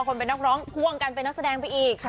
ขอบคุณครับ